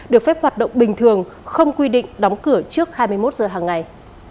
được phép hoạt động bình thường không quy định đóng cửa trước hai mươi một giờ hàng ngày